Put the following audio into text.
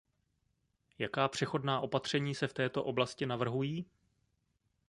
Jaká přechodná opatření se v této oblasti navrhují?